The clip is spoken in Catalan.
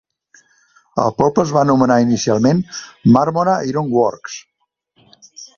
El poble es va anomenar inicialment Marmora Iron Works.